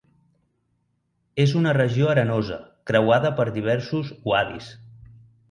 És una regió arenosa creuada per diversos uadis.